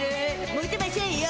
モテましぇんよ。